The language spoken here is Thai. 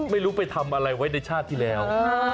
ไม่รู้ไปทำอะไรไว้ในชาติที่แล้ว